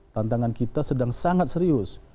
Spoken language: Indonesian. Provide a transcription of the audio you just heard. tantangan kita sedang sangat serius